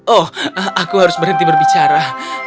oh aku harus berhenti berbicara